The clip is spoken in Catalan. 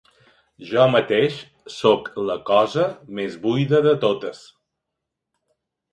Jo mateix sóc la cosa més buida de totes.